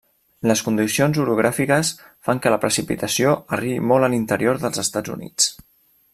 Les condicions orogràfiques fan que la precipitació arribi molt a l’interior dels Estats Units.